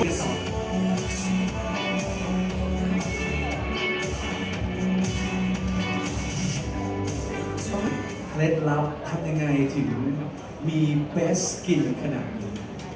เคล็ดลับทำยังไงถึงมีเบสกินขนาดนี้